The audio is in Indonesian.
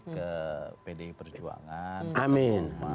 ke pdi perjuangan